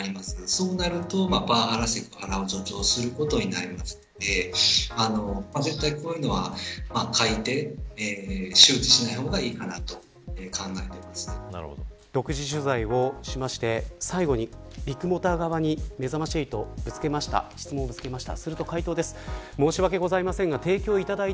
そうなると、パワハラセクハラを助長することになりますので絶対こういうのは改定、周知しない方がいいかと思独自取材をしまして最後に、ビッグモーター側にめざまし８は質問をぶつけました。